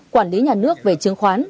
quản lý nhà nước về chứng khoán